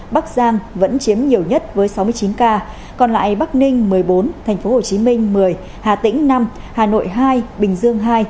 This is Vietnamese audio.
bắc giang vẫn chiếm nhiều nhất với sáu mươi chín ca còn lại bắc ninh một mươi bốn tp hcm một mươi hà tĩnh năm hà nội hai bình dương ii